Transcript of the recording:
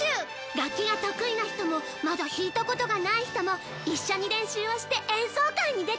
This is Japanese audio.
楽器が得意な人もまだ弾いたことがない人も一緒に練習をして演奏会に出てみない？